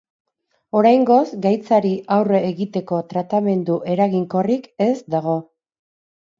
Oraingoz gaitzari aurre egiteko tratamendu eraginkorrik ez dago.